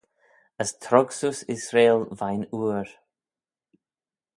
As trog seose Israel veih'n ooir.